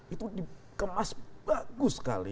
itu dikemas bagus sekali